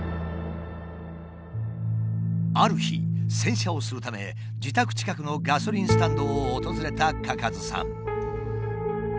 ある日洗車をするため自宅近くのガソリンスタンドを訪れた嘉数さん。